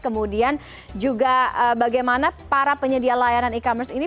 kemudian juga bagaimana para penyedia layanan e commerce ini